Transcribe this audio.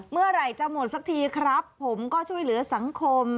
เมื่อไหร่จะหมดสักทีครับผมก็ช่วยเหลือสังคม